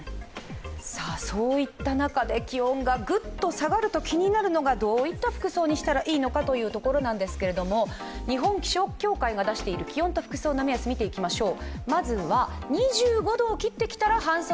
気温がグッと下がると気になるのがどういった服装にしたらいいのかというところですが、日本気象協会が出している気温と服装の目安を見ていきましょう。